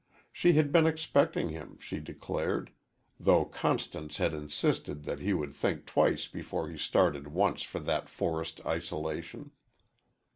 She had been expecting him, she declared, though Constance had insisted that he would think twice before he started once for that forest isolation.